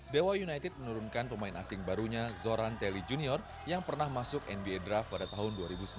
dewa united menurunkan pemain asing barunya zoran telly junior yang pernah masuk nba draft pada tahun dua ribu sepuluh